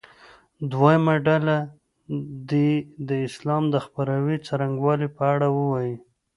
دویمه ډله دې د اسلام د خپراوي څرنګوالي په اړه ووایي.